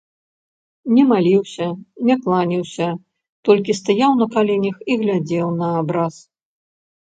Не маліўся, не кланяўся, толькі стаяў на каленях і глядзеў на абраз.